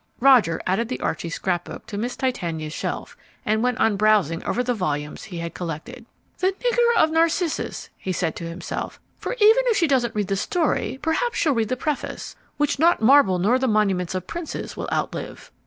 Roger added the Archy scrapbook to Miss Titania's shelf, and went on browsing over the volumes he had collected. "The Nigger of the Narcissus," he said to himself, "for even if she doesn't read the story perhaps she'll read the preface, which not marble nor the monuments of princes will outlive.